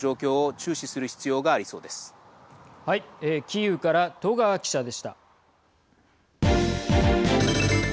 キーウから戸川記者でした。